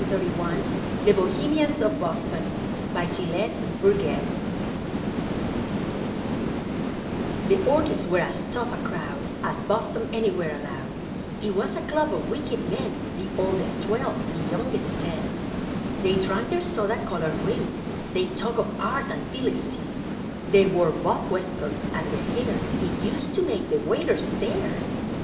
GELETT BURGESS THE BOHEMIANS OF BOSTON The "Orchids" were as tough a crowd As Boston anywhere allowed; It was a club of wicked men The oldest, twelve, the youngest, ten; They drank their soda colored green, They talked of "Art," and "Philistine," They wore buff "wescoats," and their hair It used to make the waiters stare!